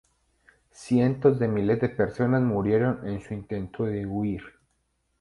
Cientos de miles de personas murieron en su intento de huir.